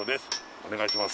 お願いします